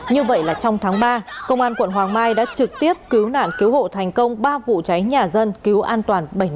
như vậy là trong tháng ba công an quận hoàng mai đã trực tiếp cứu nạn cứu hộ thành công ba vụ cháy nhà dân cứu an toàn bảy người